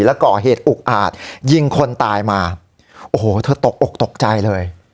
และก่อเหตุอุกอาจยิงคนตายมาโอ้โหเธอตกอกตกใจเลย